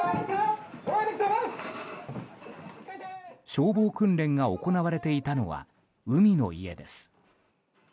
消防訓練が行われていたのは海の家です。